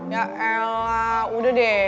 ya elah udah deh